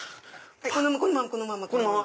このままこのままこのまま。